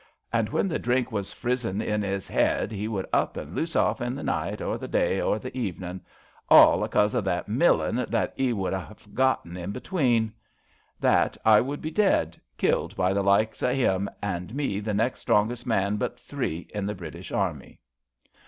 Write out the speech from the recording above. An' when the drink was frizzin' in 'is 'ead he would up and loose off in the night or the day or the evenin'. All acause of that millin^ that ^e would ha^ forgotten in hetweens. That I would be dead— killed by the likes o' 'im, an' me the next strongest man but three in the British Army!